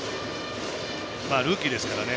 まあ、ルーキーですからね。